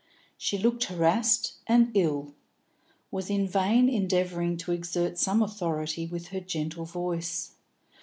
She looked harassed and ill; was in vain endeavouring to exert some authority with her gentle voice.